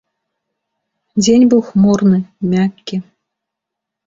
Дзень быў хмурны, мяккі.